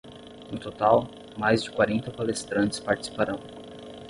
No total, mais de quarenta palestrantes participarão.